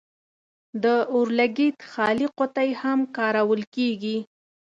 د اور لګیت خالي قطۍ هم کارول کیږي.